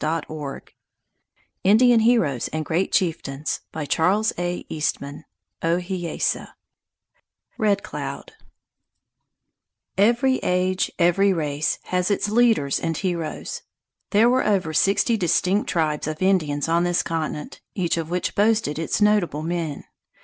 HOLE IN THE DAY INDIAN HEROES AND GREAT CHIEFTAINS RED CLOUD EVERY age, every race, has its leaders and heroes. There were over sixty distinct tribes of Indians on this continent, each of which boasted its notable men.